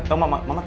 tau mama tau gak